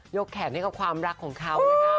โยกแขนให้กับความรักของเขา